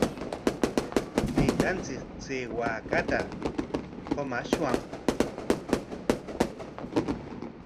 Taytanchik chay waakata qumaashunman.